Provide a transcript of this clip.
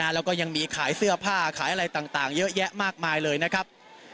แล้วก็ยังมีขายเสื้อผ้าขายอะไรต่างเยอะแยะมากมายเลยนะครับ